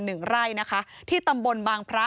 หนึ่งไร่นะคะที่ตำบลบางพระ